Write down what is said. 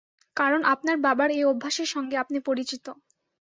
কারণ আপনার বাবার এই অভ্যাসের সঙ্গে আপনি পরিচিত।